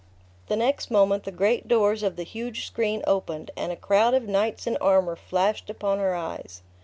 The next moment the great doors of the huge screen opened, and a crowd of knights in armor flashed upon her eyes.